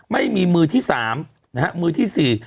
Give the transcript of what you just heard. ไม่มีมือที่๓นะฮะมือที่๔